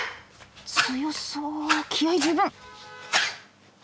強そう気合い十分。